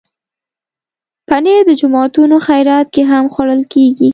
پنېر د جوماتونو خیرات کې هم خوړل کېږي.